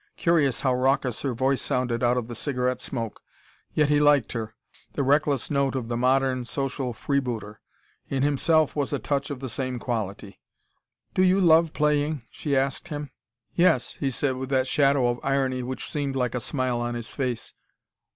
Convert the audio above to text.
Curious how raucous her voice sounded out of the cigarette smoke. Yet he liked her the reckless note of the modern, social freebooter. In himself was a touch of the same quality. "Do you love playing?" she asked him. "Yes," he said, with that shadow of irony which seemed like a smile on his face.